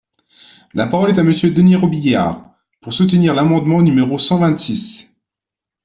La parole est à Monsieur Denys Robiliard, pour soutenir l’amendement numéro cent vingt-six.